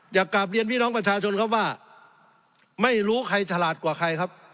อยากกลับเรียนพี่น้องประชาชนครับว่าไม่รู้ใครฉลาดกว่าใครครับ